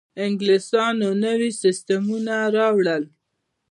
انګلیسانو نوي سیستمونه راوړل.